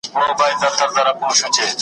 جاهل اولسه کور دي خراب دی .